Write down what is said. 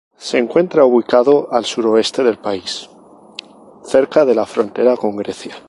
Se encuentra ubicado al suroeste del país, cerca de la frontera con Grecia.